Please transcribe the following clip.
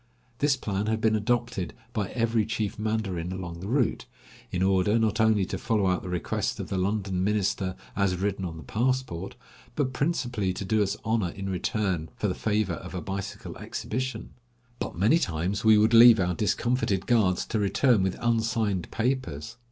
This plan had been adopted by every chief mandarin along the route, in order, not only to follow out the request of the London minister as written on the passport, but principally to do us honor in return for the favor of a bicycle exhibition; but many times we would leave our discomfited guards to return with unsigned papers.